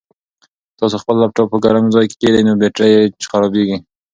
که تاسو خپل لپټاپ په ګرم ځای کې کېږدئ نو بېټرۍ یې خرابیږي.